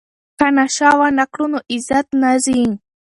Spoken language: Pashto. که نشه ونه کړو نو عزت نه ځي.